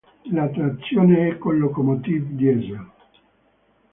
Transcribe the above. La trazione è con locomotive Diesel.